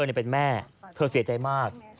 เป็นแม่เธอเสียใจมาก